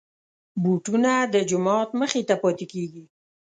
بوټونه د جومات مخې ته پاتې کېږي.